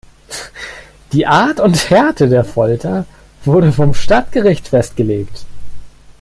Die Art und Härte der Folter wurde vom Stadtgericht festgelegt.